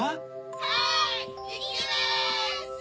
はい行きます！